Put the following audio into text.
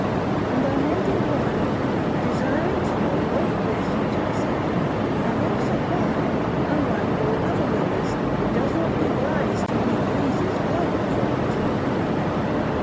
And I made inquiry, desiring to know both this which I say and also why, unlike all other rivers, it does not give rise to any breezes blowing from it.